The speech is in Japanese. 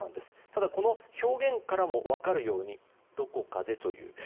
ただ、この表現からも分かるようにどこかでという。